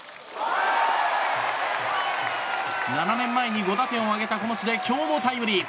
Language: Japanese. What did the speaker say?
７年前に５打点を挙げたこの地で今日もタイムリー。